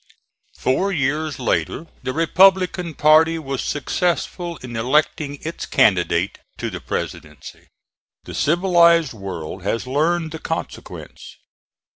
Four years later the Republican party was successful in electing its candidate to the Presidency. The civilized world has learned the consequence.